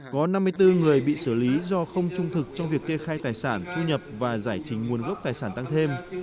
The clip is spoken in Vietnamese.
có năm mươi bốn người bị xử lý do không trung thực trong việc kê khai tài sản thu nhập và giải trình nguồn gốc tài sản tăng thêm